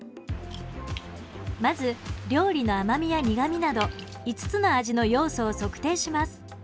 まず料理の甘みや苦味など５つの味の要素を測定します。